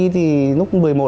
thì lúc một mươi một h